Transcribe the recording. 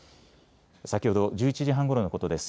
先ほど１１時半ごろのことです。